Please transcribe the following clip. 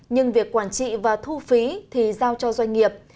nhưng việc quản trị và thu phí thì giao cho doanh nghiệp